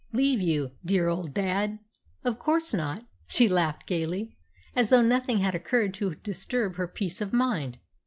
"Leave you, dear old dad! Why, of course not!" She laughed gaily, as though nothing had occurred to disturb her peace of mind.